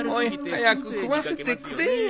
早く食わせてくれよ